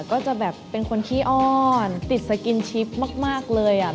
ก็จะแบบเป็นคนขี้อ้อนติดสกินชิปมากเลยอ่ะ